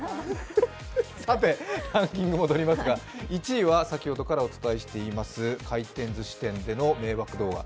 さて、ランキング戻りますが１位は先ほどからお伝えしている回転ずし店での迷惑動画。